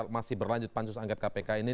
masih berlanjut pansus angket kpk ini